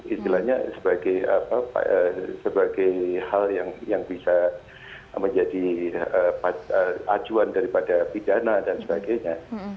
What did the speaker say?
is bilangnya sebagai hal yang bisa menjadi ajuan dari se bilana dan sebagainya